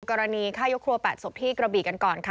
กรณีฆ่ายกครัว๘ศพที่กระบีกันก่อนค่ะ